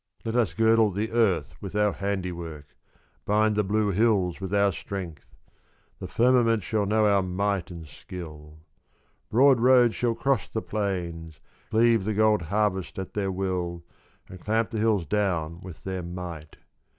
Let us girdle the Earth with our handiwork, Bind the blue hills with our strength ; The firmament shall know our might and skill. Broad roads shall cross the plains Cleave the gold harvest at their will And clamp the hills down with their might.